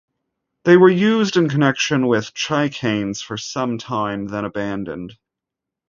They were used in connection with chicanes for some time, then abandoned.